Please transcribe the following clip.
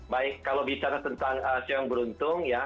baik kalau bicara tentang siapa yang beruntung ya